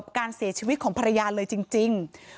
ชาวบ้านในพื้นที่บอกว่าปกติผู้ตายเขาก็อยู่กับสามีแล้วก็ลูกสองคนนะฮะ